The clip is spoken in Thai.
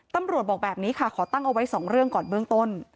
บอกแบบนี้ค่ะขอตั้งเอาไว้๒เรื่องก่อนเบื้องต้น